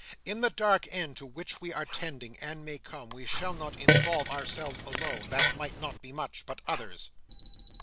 In the dark end to which we are tending, and may come, we shall not involve ourselves alone (that might not be much) but others."